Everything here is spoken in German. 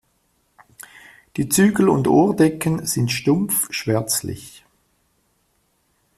Die Zügel und Ohrdecken sind stumpf schwärzlich.